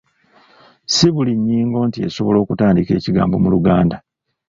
Si buli nnyingo nti esobola okutandiika ekigambo mu Luganda.